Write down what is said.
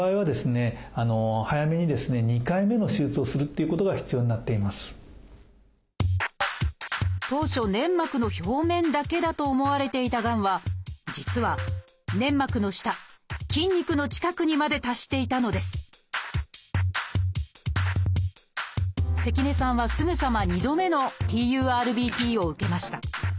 ところが当初粘膜の表面だけだと思われていたがんは実は粘膜の下筋肉の近くにまで達していたのです関根さんはすぐさま２度目のＴＵＲＢＴを受けました。